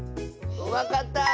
わかった！